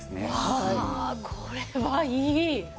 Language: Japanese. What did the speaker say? はあこれはいい。